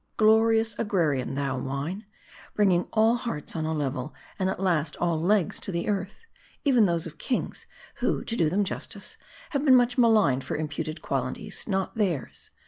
Glorious agrarian, thou wine ! bringing all hearts on a level, and at last all legs to the earth ; even those of kings, who, to do them justice, have been much maligned for im puted qualities not theirs.